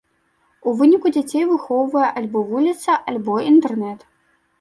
У выніку дзяцей выхоўвае альбо вуліца, альбо інтэрнэт!